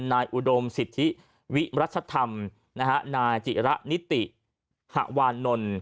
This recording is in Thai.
อุดมสิทธิวิรัชธรรมนะฮะนายจิระนิติหวานนท์